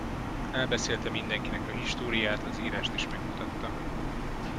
Elbeszélte mindenkinek a históriát, az írást is megmutatta.